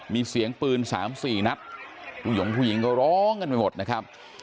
มีเสียงปืน๓๔นัดผู้หยงผู้หญิงก็ร้องกันไปหมดนะครับ